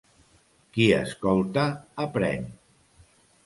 Qui escolta aprèn.